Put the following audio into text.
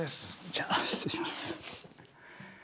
じゃ失礼します。